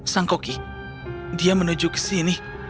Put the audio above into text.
sang koki dia menuju ke sini